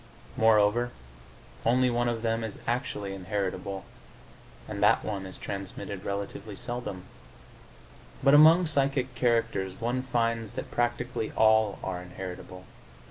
Moreover, only one of them is actually inheritable, and that one is transmitted relatively seldom. But among psychic characters one finds that practically all are inheritable.